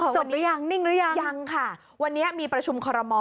หรือยังนิ่งหรือยังยังค่ะวันนี้มีประชุมคอรมอล